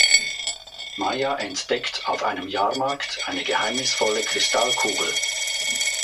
Maya entdeckt auf einem Jahrmarkt eine geheimnisvolle Kristallkugel.